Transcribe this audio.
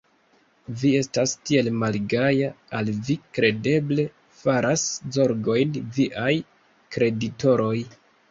Vi estas tiel malgaja, al vi kredeble faras zorgojn viaj kreditoroj?